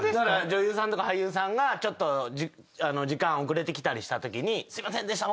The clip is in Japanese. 女優さんとか俳優さんがちょっと時間遅れて来たりしたときに「すいませんでした。